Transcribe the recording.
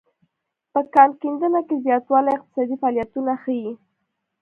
په کان کیندنه کې زیاتوالی اقتصادي فعالیتونه ښيي